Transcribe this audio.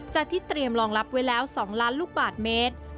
ที่เตรียมรองรับไว้แล้ว๒ล้านลูกบาทเมตร